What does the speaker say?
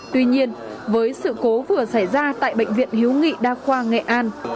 tuy nhiên với sự cố vừa xảy ra tại bệnh viện hiếu nghị đa khoa nghệ an